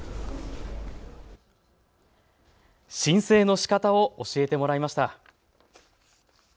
申請のしかたを教えてもらいました。